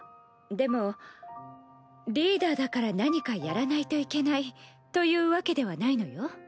でもリーダーだから何かやらないといけないというわけではないのよ？